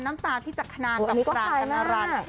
น้ำตาที่จัดขนาดกับกลางขนาด